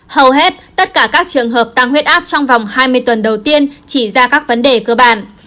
hầu hết tất cả các trường hợp tăng huyết áp trong vòng hai mươi tuần đầu tiên chỉ ra các vấn đề cơ bản